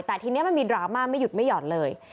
แต่ทีนี้มันมีดราม่าไม่หยุดไม่หย่อนเลย